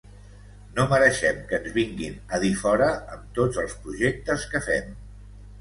No mereixem que ens vinguin a dir fora amb tots els projectes que fem.